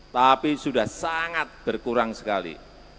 tapi sudah sangat berkurang sekali